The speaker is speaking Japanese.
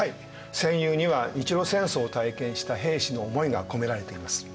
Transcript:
「戦友」には日露戦争を体験した兵士の思いが込められています。